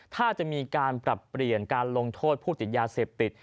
ถ้าจะมีการปรับเปลี่ยนการลงโทษผู้ติดยาเสพติด